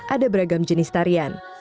ada beragam jenis tarian